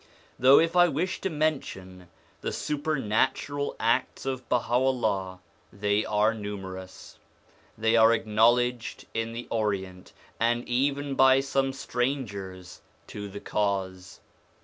Though if I wish to mention the supernatural acts of Baha'u'llah, they are numerous; they are acknowledged in the Orient, and even by some strangers to the Cause.